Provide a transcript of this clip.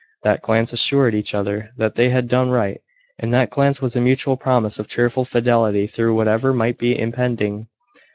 That glance assured each other that they had done right. In that glance was a mutual promise of cheerful fidelity through whatever might be impending.